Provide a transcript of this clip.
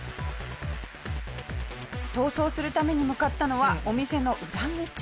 逃走するために向かったのはお店の裏口。